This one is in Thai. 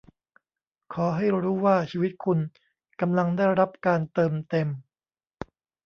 ขอให้รู้ว่าชีวิตคุณกำลังได้รับการเติมเต็ม